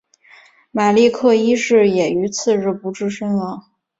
马立克一世也于次日不治身亡。